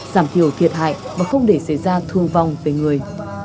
giảm thiểu thiệt hại và không để xảy ra thương vong về người